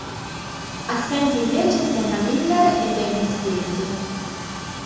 Assenti invece Sienna Miller e Dennis Quaid.